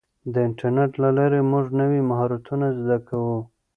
د انټرنیټ له لارې موږ نوي مهارتونه زده کوو.